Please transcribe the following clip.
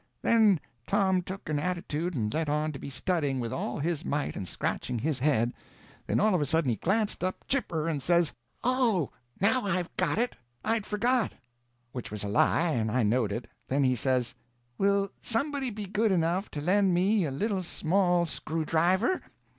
Then Tom took an attitude and let on to be studying with all his might, and scratching his head. Then all of a sudden he glanced up chipper, and says: "Oh, now I've got it! I'd forgot." Which was a lie, and I knowed it. Then he says: "Will somebody be good enough to lend me a little small screwdriver?